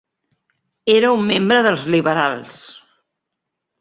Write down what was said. Era un membre dels liberals.